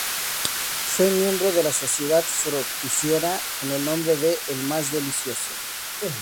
Fue miembro de la Sociedad Fructífera con el nombre de "el más delicioso".